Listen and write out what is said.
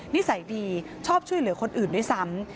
นิสัยดีชอบช่วยเหลือคนอื่นด้วยซ้ำ